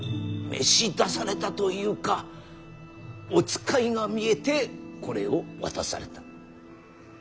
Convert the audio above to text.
召し出されたというかお使いが見えてこれを渡された。